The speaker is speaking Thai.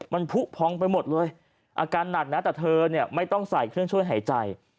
มันพุพ้องไปหมดเลยอาการหนัดแต่เธอไม่ต้องใส่เครื่องช่วยหายใจ